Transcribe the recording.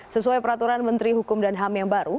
sesuai peraturan menteri hukum dan ham yang baru